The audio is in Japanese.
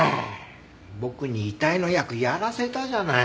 僕に遺体の役やらせたじゃない。